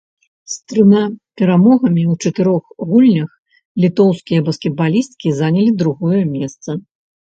З трыма перамогамі ў чатырох гульнях літоўскія баскетбалісткі занялі другое месца.